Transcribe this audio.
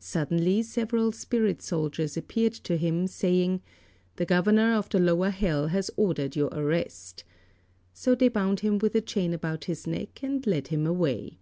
Suddenly several spirit soldiers appeared to him, saying, "The Governor of the lower hell has ordered your arrest," so they bound him with a chain about his neck, and led him away.